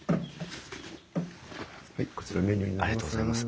はいこちらメニューになります。